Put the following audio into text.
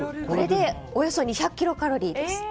これでおよそ２００キロカロリーです。